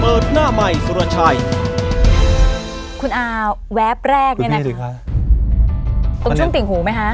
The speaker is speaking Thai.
เปิดหน้าใหม่สุรวชัยคุณอาแวบแรกตรงช่วงติ่งหูไหมฮะ